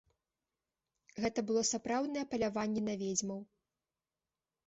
Гэта было сапраўднае паляванне на ведзьмаў.